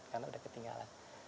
karena sudah ketinggalan